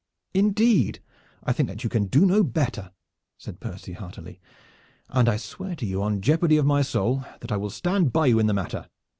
"Indeed I think that you can do no better," said Percy heartily, "and I swear to you on jeopardy of my soul that I will stand by you in the matter!